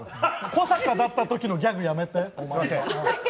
小坂だったときのギャグやめて。